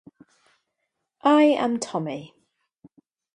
I am Tommy.